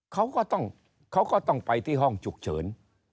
เขาก็ต้องไปที่ห้องฉุกเฉิน